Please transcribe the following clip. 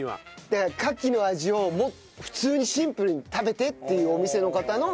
だからカキの味を普通にシンプルに食べてっていうお店の方の。